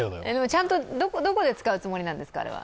ちゃんと、どこで使うつもりなんですか、あれは。